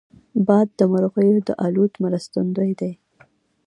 باد د مرغیو د الوت مرستندوی دی